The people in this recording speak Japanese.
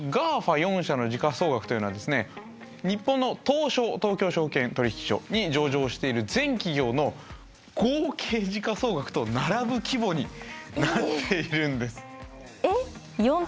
ＧＡＦＡ４社の時価総額というのは日本の東証東京証券取引所に上場している全企業の合計時価総額と並ぶ規模になっているんです。